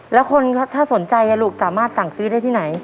แล้วคนถ้าสนใจลูกสามารถสั่งซื้อได้ที่ไหน